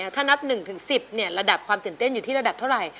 ถ้านับ๑๑๐ระดับความตื่นเต้นอยู่ที่ระดับเท่าไหร่